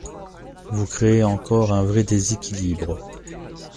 Vous créez encore un vrai déséquilibre.